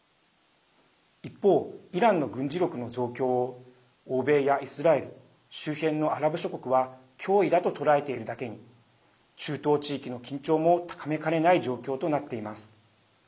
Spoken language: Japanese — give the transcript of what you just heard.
一方、イランの軍事力の増強を欧米やイスラエル周辺のアラブ諸国は脅威だと捉えているだけに中東地域の緊張も高めかねない状況となっています。